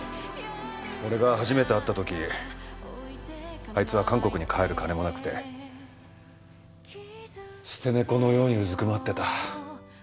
俺が初めて会った時あいつは韓国に帰る金もなくて捨て猫のようにうずくまってた。